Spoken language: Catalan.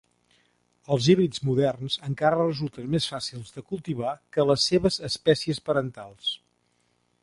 Els híbrids moderns encara resulten més fàcils de cultivar que les seves espècies parentals.